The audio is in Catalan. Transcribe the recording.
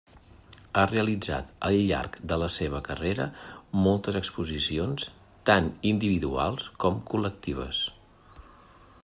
Ha realitzat al llarg de la seva carrera moltes exposicions tant individuals com col·lectives.